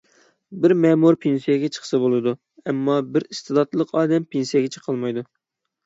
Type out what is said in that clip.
بىر مەمۇر پېنسىيەگە چىقسا بولىدۇ، ئەمما بىر ئىستېداتلىق ئادەم پېنسىيەگە چىقالمايدۇ.